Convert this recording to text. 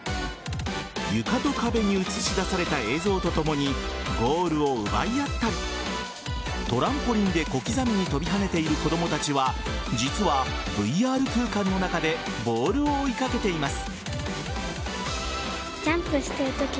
床と壁に映し出された映像とともにゴールを奪い合ったりトランポリンで小刻みに跳びはねている子供たちは実は、ＶＲ空間の中でボールを追いかけています。